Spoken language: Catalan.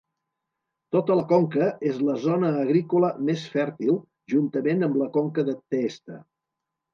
Tota la conca és la zona agrícola més fèrtil juntament amb la conca de Teesta.